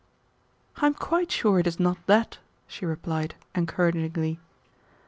"I am quite sure it is not that," she replied, encouragingly.